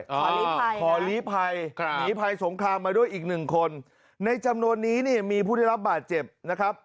ตายไปมีภาษาสงครามมาด้วยอีกหนึ่งคนในจำนวดนี้มีพูดยังรับบาดเจ็บนะครับ